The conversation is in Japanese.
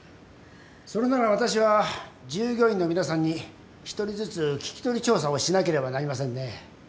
それなら私は従業員の皆さんに１人ずつ聞き取り調査をしなければなりませんね